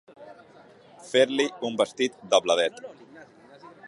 Fer-li un vestit de blavet.